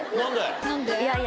何で？